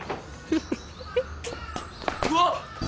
うわっ！